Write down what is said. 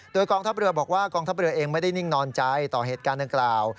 โดยกองทัพเรือบอกว่ากองทัพเรือเองไม่ได้นิ่งนอนใจต่อเหตุการณ์ดังกล่าว